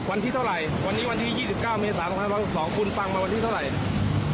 วันที่เท่าไหร่วันนี้วันที่ยี่สิบเก้าเมษาสองคุณฟังมาวันที่เท่าไหร่